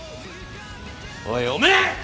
おいおめえ！